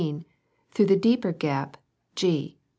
15. through the deeper gap, G.